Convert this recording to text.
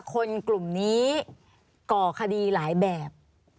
คนกลุ่มนี้ก่อคดีหลายแบบ